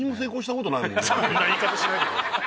そんな言い方しないでくださいよ